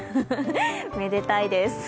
めでたいです。